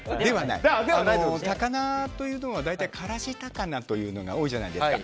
高菜というのは大体、辛子高菜というのが多いじゃないですか。